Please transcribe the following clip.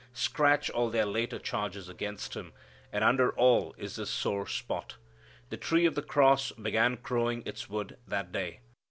Scratch all their later charges against Him and under all is this sore spot. The tree of the cross began growing its wood that day.